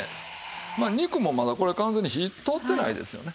まあ肉もまだこれ完全に火通ってないですよね。